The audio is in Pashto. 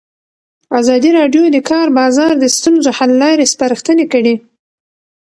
ازادي راډیو د د کار بازار د ستونزو حل لارې سپارښتنې کړي.